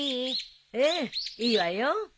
ええいいわよ。